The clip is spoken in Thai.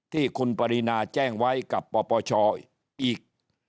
ที่คุณปรินาแจ้งไว้กับปปชอีก